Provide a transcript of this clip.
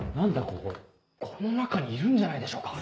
ここ・・この中にいるんじゃないでしょうか？